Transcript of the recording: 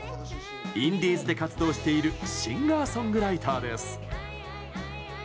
インディーズで活動しているシンガーソングライターです。